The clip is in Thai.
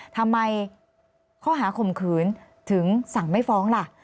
ทำไมข้อหาข่มขืนถึงสั่งไม่ฟ้องล่ะ